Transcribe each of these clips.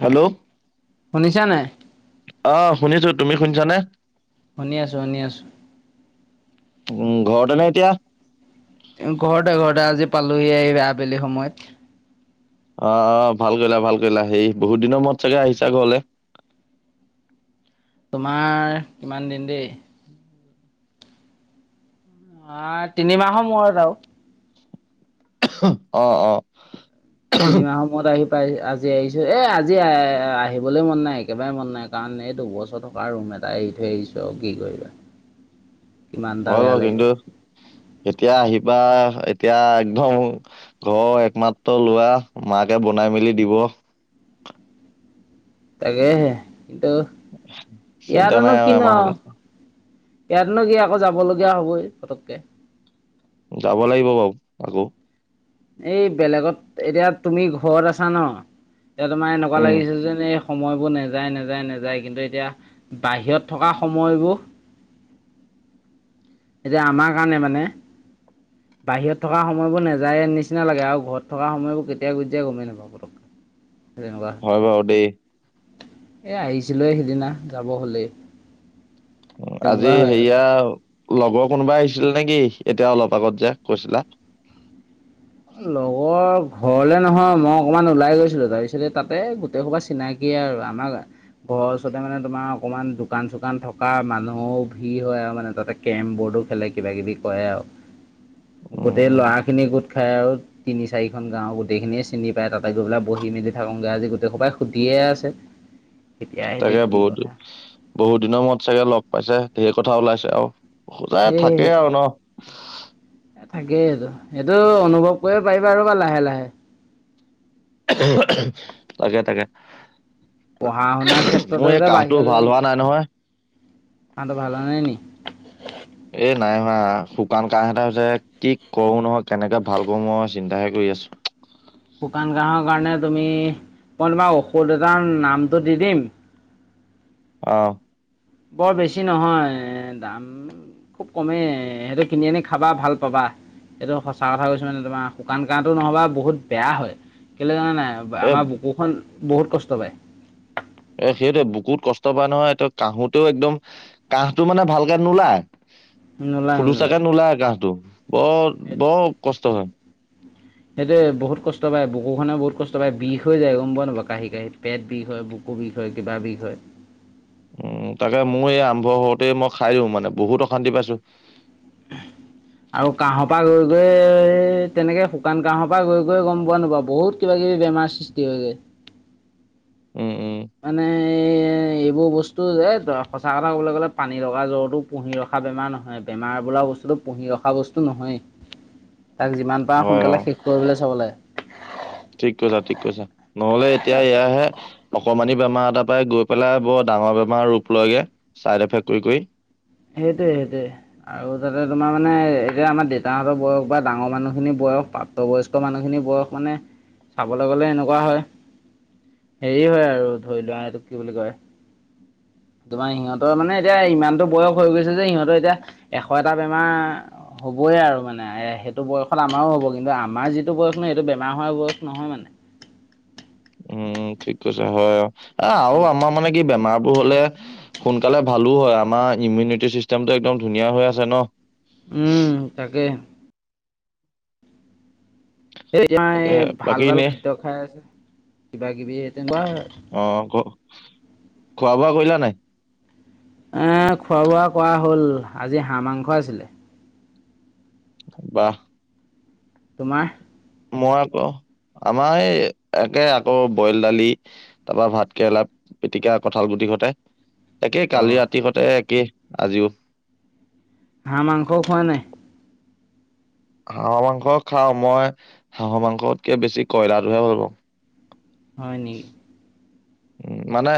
Hello. শুনিছা নে? অ, শুনিছো। তুমি শুনিছানে? শুনি আছোঁ, শুনি আছোঁ। উম, ঘৰতে নে এতিয়া? ঘৰতে, ঘৰতে আজি পালোহি এইে আবেলি সময়ত। অ, অ ভাল কৰিলা, ভাল কৰিলা। সেই বহুত দিনৰ মূৰত চাগে আহিছা ঘৰলৈ? তোমাৰ কিমান দিন দেই অ, তিনিমাহৰ মূৰত আৰু। অহ - অহ তিনিমাহৰ মূৰত আহি আজি আহিছো এই আজি আহিবলৈ মন নাই একেবাৰে মন নাই কাৰণ এই দুবছৰ থকা ৰুম এটা এৰি থৈ আহিছোঁ আৰু কি কৰিবা। কিমানটা হয় বেয়া বাৰু লাগিব। কিন্তু এতিয়া আহিব বা এতিয়া একদম ঘৰৰ একমাত্ৰ লোৱা মাকে বনাই মেলি দিব [inaudible] তাকেহে কিন্তু চিন্তা ইয়াতেনো নাই আৰু কিনো এমাহ আও হলে ইয়াতনো কি আকৌ যাব লগীয়া হবই পতককে। যাব লাগিব বাৰু আকৌ। এই বেলেগত এতিয়া তুমি ঘৰত আছা ন' এতিয়া তোমাৰ এনেকুৱা উম লাগিছে যেন এ সময়বোৰ নেযায়- নেজায় কিন্তু এতিয়া বাহিৰত থকা সময়বোৰ এতিয়া আমাৰ কাৰণে মানে বাহিৰত থকা সময়বোৰ নাযায় নিচিনা লাগে আৰু ঘৰত থকা সময়বোৰ কেতিয়া গুজিয়াই গমেই নাপাওঁ পটক হয়, বাৰু দেই। এ' আহিছিলোয়ে সিদিনা যাব হ'লে। আজি হেৰিয়া লগৰ কোনোবা আহিছিল নেকি এতিয়া অলপ আগত যে কৈছিলা? লগৰ ঘৰলে নহয় মই অকমান ওলাই গৈছিলো তাৰপিছতে তাতে গোটেই সোপা চিনাকিয়ে আৰু আমাৰ ঘৰৰ ওচৰতে মানে তোমাৰ অকমান দোকান- চোকান থকা মানুহৰও ভিৰ হয় আৰু মানে তাতে কেৰম বৰ্ড খেলে কিবা -কিবি কৰে আও উম গোটেই উম ল'ৰা খিনি খাই আৰু তিনি - চাৰিখন গাঁও গোটেই খিনিয়ে চিনি পায় তাতে গৈ পেলাই বহি মেলি থাকোগে আজি গোটেই সপাই সুধি সেয়া আছে। কেতিয়া আহিলে চাগে কি বহুত কথা বহুত দিনৰ মৰত চাগে লগ পাইছে ধেৰ কথা ওলাইছে আৰু খোজাই সেই থাকেই আৰু ন' থাকেইটো সেইটো অনুভৱ কৰিব পাৰিবা আৰু বা লাহে - লাহে। তাকে - তাকে। পঢ়া -শুনাৰ মোৰ ক্ষেত্ৰতে এই যে কাহটো ভাল বাহিৰলৈ হোৱা নাই নহয় কাঁহটো ভাল হোৱা নাই নি? এ'নাই হোৱা শুকান কাহ এটা হৈছে কি কৰো নহয় কেনেকে ভাল কৰো মই চিন্তাহে কৰিছো। আছো শুকান কাহৰ কাৰণে তুমি মই তোমাক ঔষধ এটাৰ নামটো দি দিম অহ। বৰ বেছি নহয় দাম খুব কমেই সিহঁতে কিনি আনি খাবা ভাল পাবা। একদম সঁচা কথা কৈছো মানে তোমাক শুকান কাহটো নহবা বহুত বেয়া হয় কেলে জানা নাই এ আমাৰ বুকুখন বহুত কষ্ট পায়। এ'সেইটোৱে বুকুত কষ্ট পোৱা নহয় কাহোতেও একদম কাহটো মানে ভালকে নোলায়। খোলোচাকে নোলায় কাহটো বৰ -বৰ কষ্ট হয়। সেইটোয়ে বহুত কষ্ট পায় বুকু খনে বহুত কষ্ট পায় বিষ হৈ যায় গম পোৱা নোপোৱা কাহি- কাহি পেট বিষ হয় বুকু বুকো বিষ হয় কিবা বিষ হয়। উম, তাকে মোৰ এই আৰম্ভ হওতে মই খাই দিও মানে বহুত অশান্তি পাইছো। এহ আৰু কাহৰ পৰা গৈ -গৈ তেনেকে শুকান কাহৰ পৰা গৈ -গৈ গম পোৱা নোপোৱা বহুত কিবা -কিবি ই বেমাৰ সৃষ্টি হৈ যাই। উম উম মানে এ' এইবোৰ বস্তু যে এই সঁচা কথা কবলৈ গলে পানী লগা জ্বৰতো পুহি ৰখা বেমাৰ নহয় বেমাৰ বোলা বস্তুটো পুহি ৰখা বস্তু নহয়েই তাক যিমান পাৰা হয় অ সোনকালে শেষ কৰিবলৈ চাব লাগে। ঠিক কৈছা -ঠিক কৈছা নহলে এতিয়া এয়াহে অকমানি বেমাৰ এটা পাই গৈ পেলাই বৰ ডাঙৰ বেমাৰ ৰূপ লয়গে চাইড এফেক্ট কৰি -কৰি। সেইটোয়ে সেইটোয়ে আৰু তাতে তোমাৰ মানে এতিয়া আমাৰ দেউতাহঁতৰ বয়স বা ডাঙৰ মানুহ খিনি বয় স প্ৰাপ্তবয়স্ক মানুহখিনি বয়স মানে চাবলে গ'লে এনেকোৱা হয় হেৰি হয় আৰু ধৰি লোৱা এইটোক কি বুলি কয় তোমাৰ সিহঁতৰ মানে এতিয়া ইমানতো বয়স হৈ গৈছে যে সিহঁতৰ এতিয়া এশ এটা বেমাৰ হ'বই আৰু মানে এ সেইটো বয়সত আমাৰো হ'ব কিন্তু আমাৰ যিটো বয়স নহয় এইটো বেমাৰ হোৱাৰ বয়স নহয় মানে উম ঠিক কৈছা হয় আৱ এ আৰু আমাৰ মানে কি বেমাৰ হ'লে সোনকালে ভালো হয় আমাৰ ইমিউনিটি চিষ্টেমটো একদম ধুনীয়া হৈ আছে ন উম তাকে আমা এ তাকেহে, ভাল বাকী ভাল এনে খাদ্য খাই আছে কিবা কিবি তেনেকুৱা অ ক খোৱা বোৱা কৰিলা নাই এ খোৱা বোৱা কৰা হ'ল আজি হাঁহ মাংস আছিলে বাহ তোমাৰ মই আকৌ আমাৰ এই একে আকৌ বইল দালি তাপা ভাত কেৰেলা পিটিকা কঁঠাল গুটি হতে [inaudible] একে কালি ৰাতি কতে একেই আজিও হাঁহ মাংস খোৱা নাই হাঁহৰ মাংস খাওঁ মই হাঁহৰ মাংসতকে বেছি কয়লাটোহে ভাল পাওঁ হয় নেকি উম মানে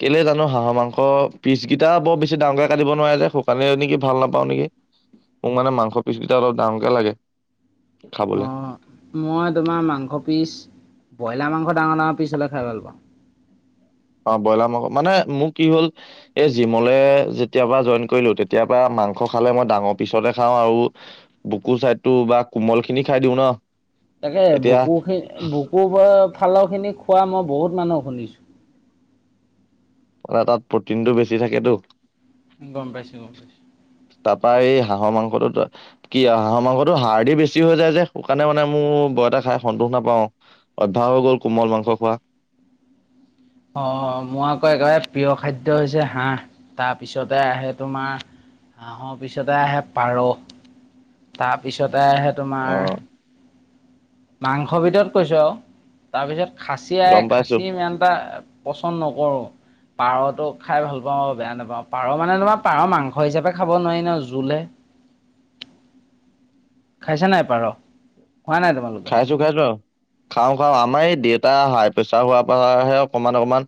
কেলে জানো হাঁহৰ মাংস পিছ কেইটা বৰ বেছি ডাঙৰকে কাটিব নোৱাৰে যে সেইকানে নেকি ভাল নাপাওঁ নেকি মোক মানে মাংস পিচ কেইটা অলপ ডাঙৰকে লাগে খাবলে অ মই তোমাৰ মাংস পিচ বয়লা মাংস ডাঙৰ ডাঙৰ পিছ হ'লে খাই ভাল পাওঁ অ বয়লা মাংস মানে মোৰ কি হ'ল এই জিমলে যেতিয়া পৰা জইন কৰিলো তেতিয়া পৰা মাংস খালে মই ডাঙৰ পিচতে খাওঁ আৰু বুকু চাইডটো বা কোমল খিনি খাই দিওঁ ন তাকে এতিয়া বুকু খিনি বুকুৰ ফা ফালৰ খিনি খোৱা মই বহুত মানুহ শুনিছোঁ মানে তাত প্ৰটিন টো বেছি থাকেতো গম পাইছো গম পাইছো তাপা এই হাঁহৰ মাংসটোত কি আৱ হাঁহৰ মাংসটো হাৰ্ডি বেছি হৈ যায় যে সেকানে মানে মো এটা খাই সন্তোষ নাপাওঁ অভ্যাস হৈ গ'ল কোমল মাংস খোৱা [inaudible] অহ মোৰ আকৌ একেবাৰে প্ৰিয় খাদ্য হৈছে হাঁহ, তাপিছতে আহে তোমাৰ হাঁহৰ পিছতে আহে পাৰ তাপিছতে আহে অ', তোমাৰ মাংস ভিতৰত কৈছোঁ আৱ তাপিছত খাচী আ গম পাইছো খাচি ইমান এটা পচন্দ নকৰোঁ। পাৰতো খাই ভাল পাওঁ বেয়া নাপাওঁ পাৰ মানে তোমাৰ পাৰ মাংস হিচাপে খাব নোৱাৰি ন জোলে। খাইছা নাই পাৰ? খোৱা নাই তোমালোকে? খাইছো খাইছো আৰু। খাওঁ খাওঁ আমাৰ এই দেউতা হাই প্ৰেচাৰ হোৱাৰ পৰাহে অকমান অকমান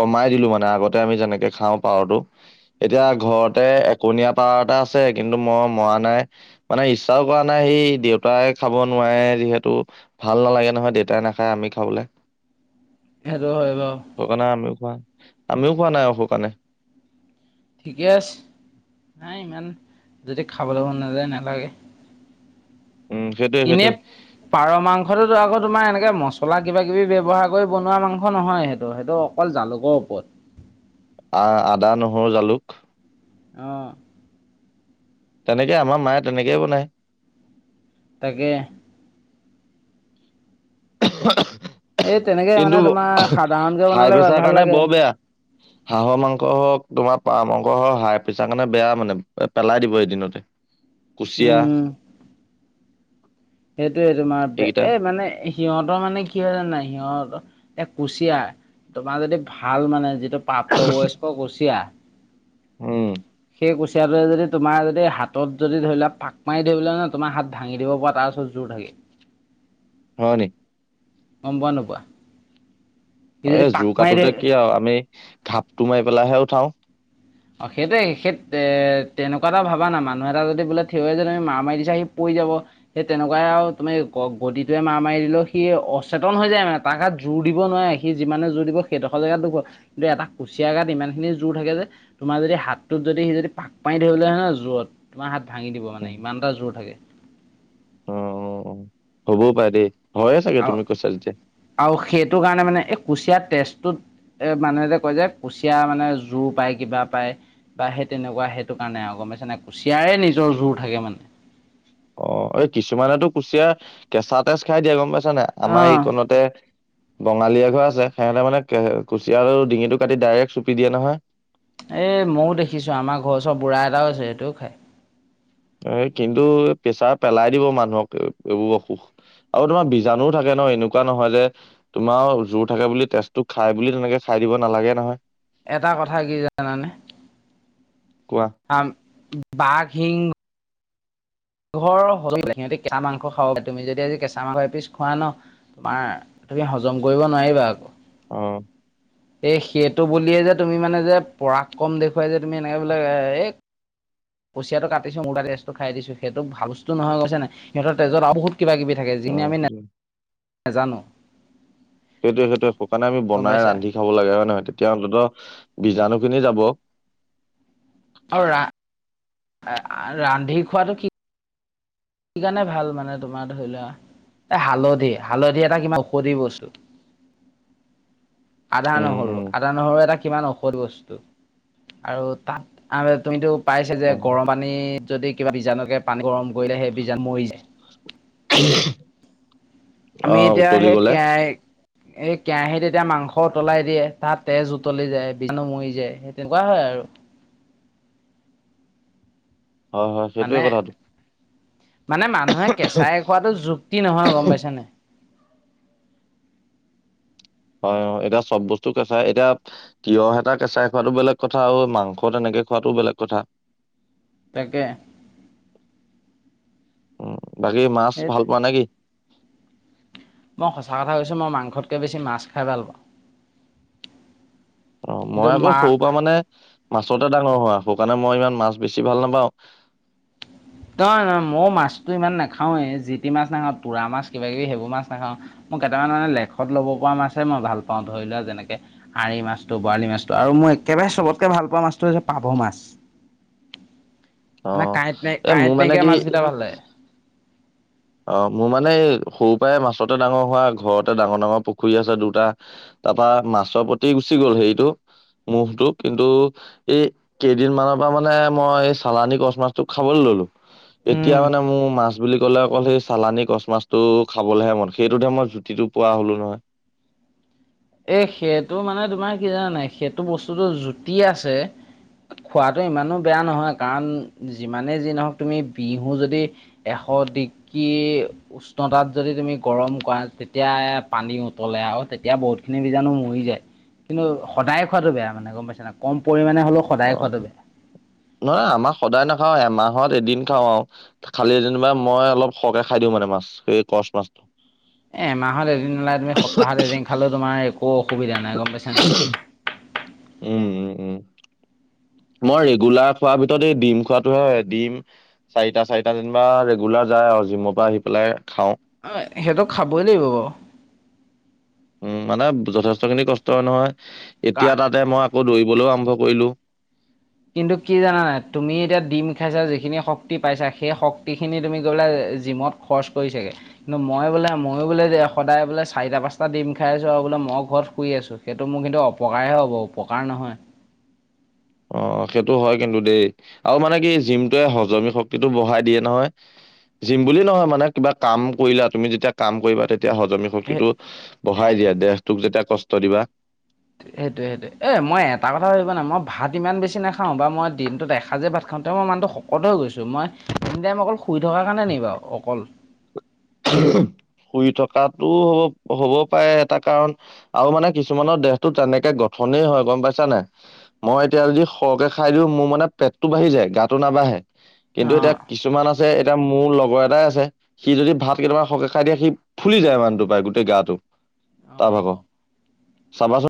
কমাই দিলো মানে আগত। তে আমি যেনেকে খাওঁ পাৰটো অ এতিয়া ঘৰতে। কণীয়া পাৰ এটা আছে কিন্তু মই মৰা নাই মানে ইচ্ছাও কৰা নাই সেই দেউতাই খাব নোৱাৰা। যিহেতু ভাল নালাগে নহয় দেউতাই নেখায় আমি খাবলে। সেইটো হয় বাৰু সুকানে আমিও খোৱা আমিও খোৱা নাই আও সুকাণে। ঠিকে আছে নাই ইমান যদি খাবলৈ মন নেযায় নেলাগে। উম, সেইটোৱে এনে সেইটোৱে পাৰ মাংসটোতো আকৌ তোমাৰ এনে কে মছলা কিবা কিবি ব্যৱহাৰ কৰি বনোৱা মাংস নহয় সেইটো সেইটো অকল জালুকৰ ওপৰত। [inaudible] আ আদা, নহৰু, জালুক অঁ তেনেকে আমাৰ মায়ে তেনেকেই বনায়। তাকে [unintelligible] এই তেনেকে কিন্তু মানে তোমাৰ সাধাৰণকে হাই বনালে প্ৰেছাৰ ভাল কাৰণে লাগে। বৰ বেয়া। হাঁহৰ মাংস হওঁক তোমাৰ পাৰ মাংস হওক হাই প্ৰেছাৰ কাৰণে বেয়া মানে পেলাই দিব এদিনতে। কুচিয়া উম সেইটোয়ে তোমাৰ এইকেইটা এ মানে সিহঁতৰ মানে কি হয় জানা নাই সিহঁতৰ এতি কুচিয়া তোমাৰ যদি ভাল মানে টো প্ৰাপ্তবয়স্ক কুচিয়া। উম সেই কুচিয়াটোৱে যদি তোমাৰ যদি হাতত যদি ধৰি লা পাক মাৰি ধৰিবানে তোমাৰ হাত ভাঙি দিব পৰা তাৰপিছত জোৰকে। লাগে। হয় নেকি? গম পোৱা নোপোৱা। সি যদি এই পাক জোৰ মাৰি কাটোতে ধৰি কি আৰু আমি ঘাপটো মাৰি পেলাইাহে উঠাও। অ সেইটো সেই এ তেনেকুৱা এটা ভাবা না মানুহ এটা যদি বোলে থিয় যে তুমি মাৰ মাৰি দিছা সি পৰি। সেই তেনেকুৱাই আৰু তুমি বডিটোৱে মাৰ মাৰি দিলেও সি অচেতন হৈ যায় মানে তাৰ গাত যোৰ জোৰ দিব নোৱাৰে সি যিমানে জোৰ দিব সেইডোখৰ জেগাত দুখৰ কিন্তু এটা কুচিয়াৰ গাত ইমান খিনি জোৰ থাকে যে। তোমাৰ যদি হাতটোত যদি সি যদি পাক পানি ধৰিবলে হয় ন জোৰত তোমাৰ হাত ভাঙি দিব উম, মানে ইমান এটা জোৰ থাকে। [inaudible] অ হ'বও পাৰে দেই। হয়ে চাগে আ তুমি কৈছা যেতিয়া। আৰু সেইটো কাৰণে মানে এই কুচিয়াৰ তেজটোত। এ মানুহে এ যে কয় যে কুচিয়া মানে জোৰ পায় কিবা পায়। বা সেই তেনেকুৱা সেইটো কাৰণে আৰু গম পাইছে নে কুচিয়াৰে নিজৰ জোৰ থাকে মানে। অ এই কিছুমানেতো কুচিয়া কেঁচা তেজ খাই দিয়ে গম পাইছ। নে অ আমাৰ এই কণতে বঙালী এঘৰ আছে সিহঁতে মানে কুচিয়া ডিঙিটো কাটি ডাইৰেক্ট চুপি দিয়ে নহয়। এ মইও দেখিছো আমাৰ ঘৰৰ ওচৰৰ বুঢ়া এটাও আছে সেইটোও খাই। এ কিন্তু পেছাৰ পেলাই দিব মানুহক এইবোৰ অসুখ আৰু তোমাৰ বীজাণু থাকে। ন এনেকুৱা নহয় যে তোমাৰ জোৰ থাকে বুলি তেজটো খাই বুলি তেনেকে খাই দিব নালাগে নহয়। এটা কথা কি জানানে। কোৱা আ বাঘ সিং। ঘৰৰ হৈ সিহঁতি কেঁচা মাংস খাব তুমি যদি আজি কেঁচা মাংস এপিছ খোৱা ন তোমাৰ তথাপি হজম কৰিব নোৱাৰিবা আকৌ। অ এই সেইটো বুলিয়ে যে তুমি মানে যে পৰাগ কম দেখুৱাই যে তুমি এনেকে বোলে এ কুচিয়াটো কাটিছো [unintelligible] তেজটো খাই দিছো সেইটো ভাল বস্তু নহয় গম পাইছা নাই সিহঁত তেজত আৰু বহুত কিবা কিবি থাকে অ যিখিনি আমি সেইটোৱে নাজানো সেইটোয়ে সেইটোৱে শুকানে আমি গম বনাই পাইছা ৰান্ধি খাব লাগে হয় নহয় তেতিয়া অতন্ত্য বিজাণুখিনি যাব আৰু ৰা ৰান্ধি খোৱাটো কি সেই কাৰণে ভাল মানে তোমাৰ ধৰি লোৱা এ হালধি হালধি এটা কিবা ঔষধি বস্তু। আদা নহৰু উম আদা নহৰু এটা কিমান ঔষধ বস্তু। আৰু তাত তুমিতো পাইছা যে উম গৰম পানী যদি কিবা বীজাণু থাকে পানী গৰম কৰিলে সেই বীজাণু মৰি যায়। অ আমি এতিয়া উতলি সেই গলে কেৰাহি কেৰাহীত এতিয়া মাংস উতলাই দিয়ে তাত তেজ উতলি যায় বীজাণু মৰি যায় সেই তেনেকুৱা হয় আৰু। [unintelligible] হয় হয় সেইটোয়ে মানে কথাটো মানে মানুহে কেঁচাই খোৱাটো যুক্তি নহয় গম পাইছা নাই হয় এতিয়া চব বস্তু কেঁচাই এতিয়া তিঁয়হ এটা কেঁচাই খোৱাটো বেলেগ কথা আৰু মাংস তেনেকে খোৱাটো বেলেগ কথা। তাকে উম বাকী মাছ সেই ভাল পোৱা নে কি? মই সঁচা কথা কৈছোঁ মই মাংসতকৈ বেছি মাছ খাই ভাল পাওঁ। অ কিন্তু মই আকৌ মা সৰু পৰা মানে মাছতে ডাঙৰ হোৱা সৌ কাণে মই ইমান মাছ বেছি ভাল নাপাওঁ। নহয় নহয় ময়ো মাছতো ইমান নাখাওৱেই। যিটি মাছ নাখাও তুৰা মাছ কিবা কিবি সেইবোৰ মাছ নাখাওঁ। মোৰ কেইটামান মানে লেখত ল'ব পৰা মাছে মই ভাল পাওঁ ধৰি লোৱা যেনেকে আৰি মাছটো, বৰালি মাছটো আৰু মই একেবাৰে চবতকে ভাল পোৱা মাছটো হৈছে পাভ মাছ। অ এ কাইট মোৰ মানে নাইকিয়া কি মাছ কেইটা ভাল লাগে। অ মোৰ মানে এই সৰু পৰাই মাছতে ডাঙৰ হোৱা ঘৰতে ডাঙৰ ডাঙৰ পুখুৰী আছে দুটা, তাৰপৰা মাছৰ প্ৰতি গুচি গ'ল হেৰিটো মুভটো কিন্তু এই কেইদিনমানৰ পৰা মানে মই এই চালানী কচ মাছটোক খাবলৈ ললো। এতিয়া উম মানে মোৰ মাছ বুলি ক'লে অকল সেই চালানি কছ মাছটো খাবলৈহে মন। সেইটোতহে মই জুতিটো পোৱা হ'লো নহয়। [inaudible] এ সেইটো মানে তোমাৰ কি জানা নাই সেইটো বস্তুটো জুতি আছে খোৱাতো ইমানো বেয়া নহয় কাৰণ যিমানে যি নহক তুমি বিহু যদি এ এশ ডগ্ৰী উষ্ণতাত যদি তুমি গৰম কৰা তেতিয়া পানী উতলে আৰু তেতিয়া বহুত খিনি বীজাণু মৰি যায়। কিন্তু সদায় খোৱাটো বেয়া মানে গম পাইছা নাই কম পৰিমাণে হলো সদায় খোৱাটো বেয়া। নহয় আমাৰ সদায় নাখাও। এমাহৰ এদিন খাওঁ আৰু খালি যেনিবা মই অলপ সৰহকে খাই দিওঁ মানে। মাছ সেই কচ মাছটো। এ এমাহত এদিন নেলাগে তুমি সপ্তাহত এদিন খালে তোমাৰ একো অসুবিধা নাই গম পাইছা নাই। [unintelligible] উম উম উম উ মই ৰেগুলাৰ খোৱাৰ ভিতৰত এই ডিম খোৱাতহে হয় ডিম চাৰিটা চাৰিটা যেনিবা ৰেগুলাৰ যায় আৰু জিমৰ পৰা আহি পেলাই। খাওঁ অ সেটো খাবই লাগিব বাৰু। উম মানে যথেষ্ট খিনি কষ্ট হয় নহয় এতিয়া বাৰু তাতে মই আকৌ দৌৰিবলৈও আৰ- ম্ভ কৰিলো। কিন্তু কি জানা নাই তুমি এতিয়া ডিম খাইছা যিখিনি শক্তি পাইছা সেই শক্তি খিনি তুমি গৈ পেলাই জিমত খৰচ কৰিছাগে। কিন্তু মই বোলে ময়ো বোলে যে সদায় বোলে চাৰিটা পাঁচটা ডিম খাই আছো আৰু বোলে মই ঘৰত শুই আছো। সেইটো মোৰ কিন্তু অপকাৰহে হ'ব উপকাৰ নহয়। অ সেইটো হয় কিন্তু দেই আৰু মানে কি জিমটোৱে হজমি শক্তিটো বঢ়াই দিয়ে নহয়। জিম বুলি নহয় মানে কিবা কাম কৰিলা তুমি যেতিয়া কাম কৰিবা তেতিয়া তেতিয়া হজমি সেই শক্তিটো বঢ়াই দিয়া দেহটোক যেতিয়া কষ্ট দিবা সেইটোৱে সেইটোৱে এ মই এটা কথা ভাবিবা নাই মই ভাত ইমান বেছি নাখাওঁ বা মই দিনটোত এসাঁজে ভাত খাওঁ। তেওঁ মই মানুহতো শকত হৈ গৈছোঁ মই নি টাইম অকল শুই থকাৰ কাৰণে নি বাৰু অকল উ [unintelligible] শুই থকাটো হব হ'ব পাৰে এটা কাৰণ আৰু মানে কিছুমানৰ দেহটো তেনেকে গঠন গঠনেই হয় গম পাইছা নাই। মই এতিয়া যদি সৰহকে খাই দিও মোৰ মানে পেটতটো বাঢ়ি যায় গাটো নাবাঢ়ে। কিন্তু এতিয়া অঁ কিছুমান আছে। এতিয়া মোৰ লগৰ এটাই আছে সি যদি ভাত সি কেতিয়া সকে খাই দিয়ে সি ফুলি যায় মানুটো পায় গোটেই গাটো তাৰ ভাগৰ অঁ চাবা চোন